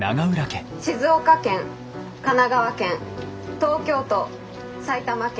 「静岡県神奈川県東京都埼玉県」。